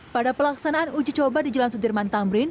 pada pelaksanaan uji coba di jalan sudirman tamrin